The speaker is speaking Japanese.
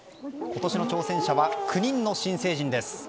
今年の挑戦者は９人の新成人です。